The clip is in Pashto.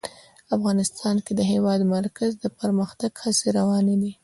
افغانستان کې د د هېواد مرکز د پرمختګ هڅې روانې دي.